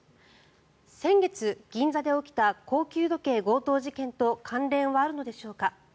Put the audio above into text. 先月、銀座で起きた高級時計強盗事件と関連はあるのでしょうか。